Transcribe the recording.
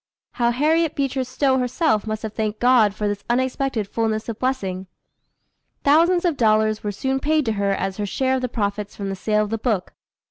How Harriet Beecher Stowe herself must have thanked God for this unexpected fulness of blessing! Thousands of dollars were soon paid to her as her share of the profits from the sale of the book.